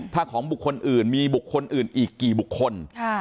ถ้าของบุคคลอื่นมีบุคคลอื่นอีกกี่บุคคล